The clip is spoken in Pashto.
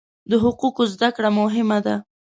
د حقوقو زده کړه مهمه ده.